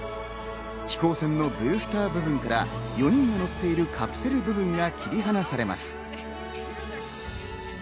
飛行船のブースター部分から４人が乗っているカプセル部分が切り離されます。